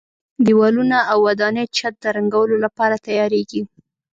دېوالونه او د ودانۍ چت د رنګولو لپاره تیاریږي.